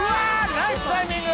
ナイスタイミング！